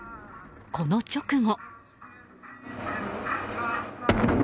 この直後。